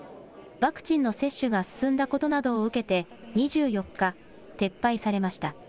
ワクチンの接種が進んだことなどを受けて２４日、撤廃されました。